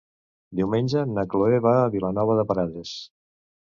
Diumenge na Chloé va a Vilanova de Prades.